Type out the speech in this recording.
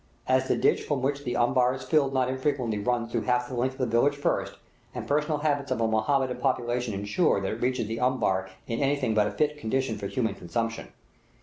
As the ditch from which the umbar is filled not infrequently runs through half the length of the village first, the personal habits of a Mohammedan population insure that it reaches the umbar in anything but a fit condition for human consumption.